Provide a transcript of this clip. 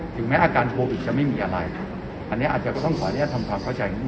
แม้อาการโควิดจะไม่มีอะไรอันนี้อาจจะก็ต้องขออนุญาตทำความเข้าใจตรงนี้